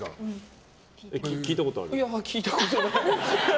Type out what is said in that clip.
聞いたことない。